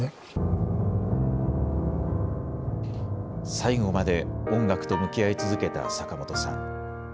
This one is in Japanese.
最後まで音楽と向き合い続けた坂本さん。